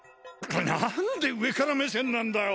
何で上から目線なんだよ！